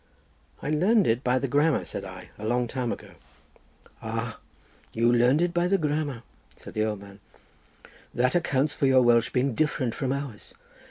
"I learned it by the grammar," said I, "a long time ago." "Ah, you learnt it by the grammar," said the old man; "that accounts for your Welsh being different from ours.